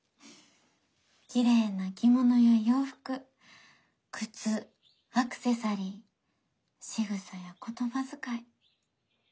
きれいな着物や洋服靴アクセサリーしぐさや言葉遣い。